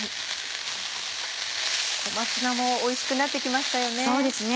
小松菜もおいしくなって来ましたよね。